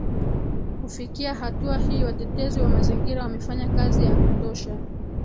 Kufikia hatua hii watetezi wa mazingira wamefanya kazi ya kutosha